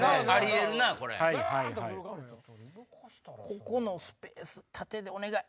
ここのスペース縦でお願い。